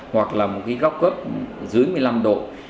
hoặc là một cái góc cớp dưới một mươi năm độ